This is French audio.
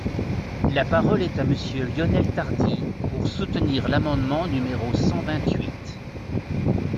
La parole est à Monsieur Lionel Tardy, pour soutenir l’amendement numéro cent vingt-huit.